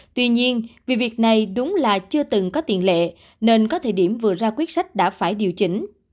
tuy nhiên vì việc này đúng là chưa từng có tiền lệ nên có thời điểm vừa ra quyết sách đã phải điều chỉnh